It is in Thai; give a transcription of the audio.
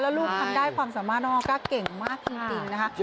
แล้วลูกทำได้ความสามารถน้องออก้าเก่งมากจริงนะคะ